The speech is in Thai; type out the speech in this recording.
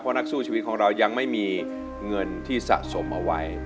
นักสู้ชีวิตของเรายังไม่มีเงินที่สะสมเอาไว้